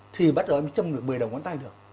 thì bắt đầu mới châm được một mươi đầu ngón tay được